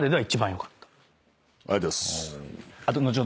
ありがとうございます。